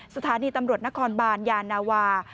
สถานีตำรวจนครบานยานาวา